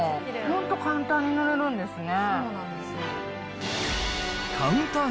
本当、簡単に塗れるんですね。